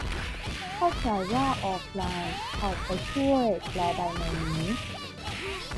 เข้าใจว่าออฟไลน์ เข้าไปช่วยแปลได้ในนี้